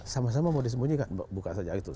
sama sama mau disembunyikan buka saja itu